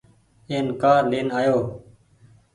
اين ڪآ لين آيو۔